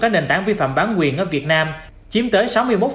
các nền tảng vi phạm bán quyền ở việt nam chiếm tới sáu mươi một